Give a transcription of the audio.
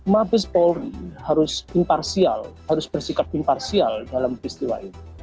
mabes polri harus imparsial harus bersikap imparsial dalam peristiwa ini